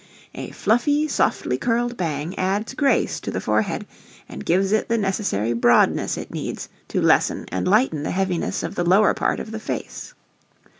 A fluffy, softly curled bang adds grace to the forehead and gives it the necessary broadness it needs to lessen and lighten the heaviness of the lower part of the face.